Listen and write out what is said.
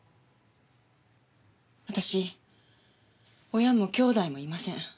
私親も兄弟もいません。